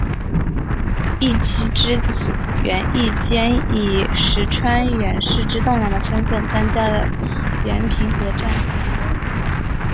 义基之子源义兼以石川源氏之栋梁的身份参加了源平合战。